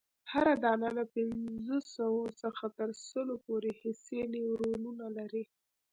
هره دانه له پنځوسو څخه تر سلو پوري حسي نیورونونه لري.